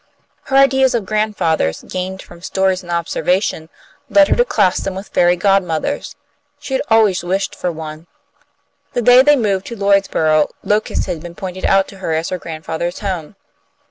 Her ideas of grandfathers, gained from stories and observation, led her to class them with fairy godmothers. She had always wished for one. The day they moved to Lloydsborough, Locust had been pointed out to her as her grandfather's home.